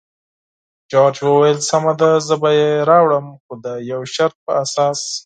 جورج وویل: سمه ده، زه به یې راوړم، خو د یو شرط پر اساس.